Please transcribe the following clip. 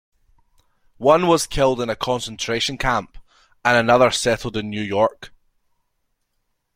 One was killed in a concentration camp, and another settled in New York.